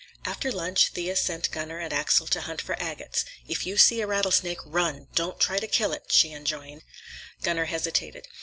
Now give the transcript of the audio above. After lunch Thea sent Gunner and Axel to hunt for agates. "If you see a rattlesnake, run. Don't try to kill it," she enjoined. Gunner hesitated.